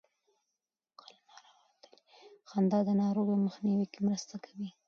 خندا د ناروغیو مخنیوي کې مرسته کوي.